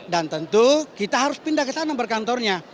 dan tentu kita harus pindah ke sana berkantornya